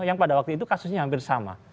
yang pada waktu itu kasusnya hampir sama